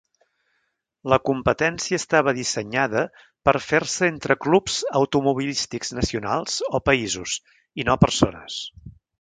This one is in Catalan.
La competència estava dissenyada per fer-se entre clubs automobilístics nacionals, o països, i no persones.